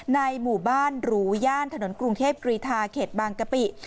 ในหมู่บ้านหรูย่านถนนกรุงเทพกรีธาเขตบางกะปิ